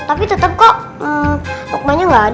tapi tetep kok luqman nya gak ada